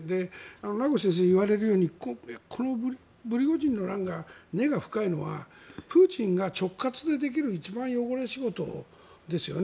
名越先生が言われるようにプリゴジンの乱が根が深いのはプーチンが直轄でできる一番の汚れ仕事ですよね。